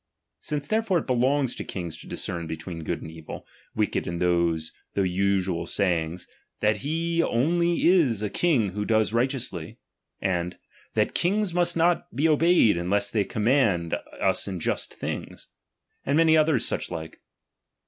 Since therefore it belongs ^^| to kings to discern between good and evil, wicked ^^| are those, though usual, sayings, that he oidy is a ^H king who does righteously, and that kings must ^^| not be obeyed unless they command us Just ^^M things ; and many other such like.